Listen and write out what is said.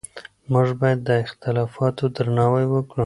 موږ باید د اختلافاتو درناوی وکړو.